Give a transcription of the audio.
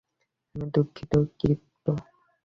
আমি দুঃখিত, ক্রিপ্টো।